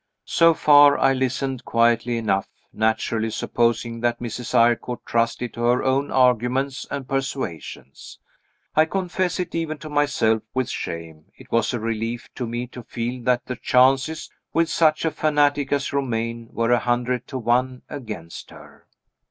So far, I listened quietly enough, naturally supposing that Mrs. Eyrecourt trusted to her own arguments and persuasions. I confess it even to myself, with shame. It was a relief to me to feel that the chances (with such a fanatic as Romayne) were a hundred to one against her.